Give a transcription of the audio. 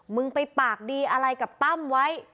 มึงไปปากดีอะไรกับตั้มไว้